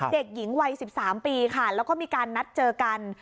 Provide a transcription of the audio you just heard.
เด็กหญิงวัย๑๓ปีค่ะแล้วก็มีการนัดเจอกัน